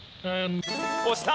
押した！